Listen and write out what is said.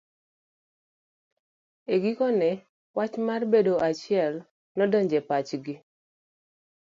E gikone wach mar bedo e achiel nodonjo e pachgi.